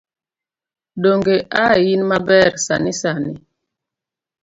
donge a in maber sani sani?